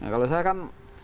kalau saya kan